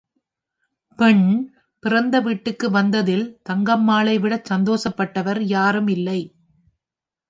பெண், பிறந்த வீட்டுக்கு வந்ததில் தங்கம்மாளை விடச் சந்தோஷப்பட்டவர் யாரும் இல்லை.